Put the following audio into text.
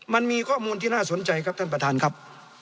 มันมีข้อมูลที่น่าสนใจครับท่านประธานครับ